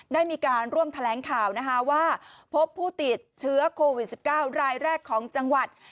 ได้มีการร่วมแถลงข่าวนะคะว่าพบผู้ติดเชื้อโควิด๑๙รายแรกของจังหวัด